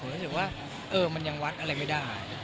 รู้สึกว่ามันยังวัดอะไรไม่ได้